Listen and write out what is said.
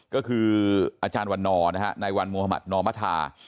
ก็คืออาจารย์วันนอร์นะครับในวันมหมาศนอมภาษา